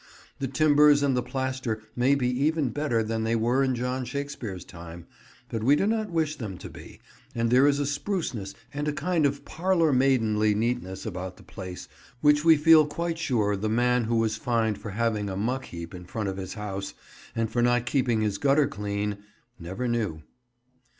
The timbers and the plaster may be even better than they were in John Shakespeare's time, but we do not wish them to be, and there is a spruceness and a kind of parlourmaidenly neatness about the place which we feel quite sure the man who was fined for having a muck heap in front of his house, and for not keeping his gutter clean never knew.